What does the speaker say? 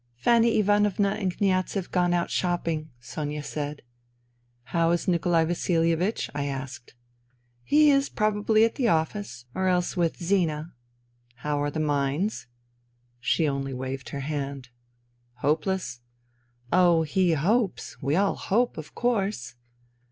" Fanny Ivanovna and Kniaz have gone out shopping," Sonia said. " How is Nikolai Vasilievich ?" I asked. " He is probably at the office ... or else with Zina." " How are the mines ?" She only waved her hand. " Hopeless ?"" Oh, he hopes — we all hope, of course.